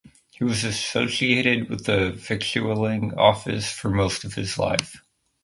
He was associated with the Victualling Office for most of his life.